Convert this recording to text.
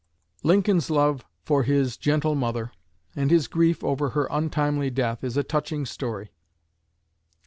'" Lincoln's love for his gentle mother, and his grief over her untimely death, is a touching story.